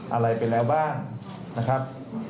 อะไรไปแล้วบ้างนะครับ